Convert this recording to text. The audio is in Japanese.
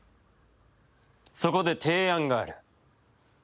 そこで提案がある。